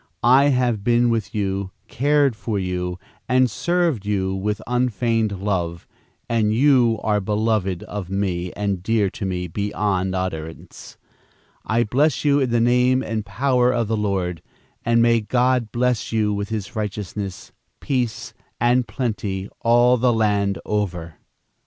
I have been with you, cared for you, and served you with unfeigned love, and you are beloved of me and dear to me beyond utterance. I bless you in the name and power of the Lord, and may God bless you with his righteousness, peace and plenty all the land over."